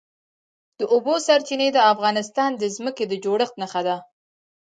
د اوبو سرچینې د افغانستان د ځمکې د جوړښت نښه ده.